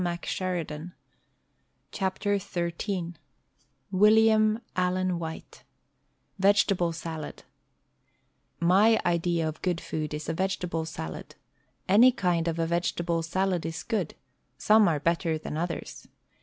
THE STAG COOK BOOK XIII TV^illiam Allen Tf^hite VEGETABLE SALAD My idea of good food is a vegetable salad. Any kipd of a vegetable salad is good ; some are better than others.